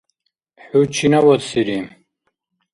ХӀу чинавадсири?